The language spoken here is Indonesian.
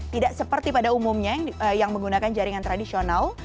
tidak seperti pada umumnya yang menggunakan jaringan tradisional